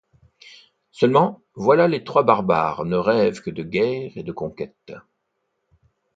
Seulement voilà les trois barbares ne rêvent que de guerres et de conquêtes.